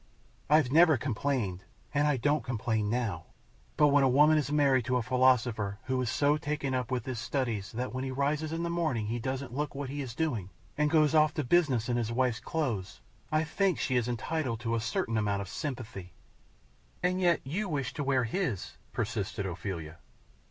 I've never complained, and I don't complain now; but when a woman is married to a philosopher who is so taken up with his studies that when he rises in the morning he doesn't look what he is doing, and goes off to his business in his wife's clothes, I think she is entitled to a certain amount of sympathy." "And yet you wish to wear his," persisted Ophelia.